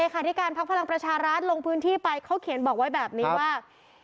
ที่การพักพลังประชารัฐลงพื้นที่ไปเขาเขียนบอกไว้แบบนี้ว่า